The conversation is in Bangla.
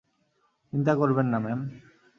চিন্তা করবেন না, ম্যাম!